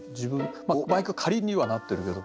「バイク駆り」にはなってるけど。